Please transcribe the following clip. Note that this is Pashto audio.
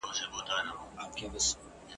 د زلمیو، د پېغلوټو، د مستیو !.